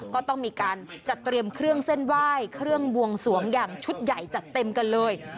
ก็ต้องมีการจัดเตรียมเครื่องเส้นไหว้เครื่องบวงสวงอย่างชุดใหญ่จัดเต็มกันเลย